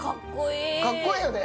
かっこいいよね